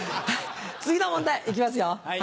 次の問題行きますよ。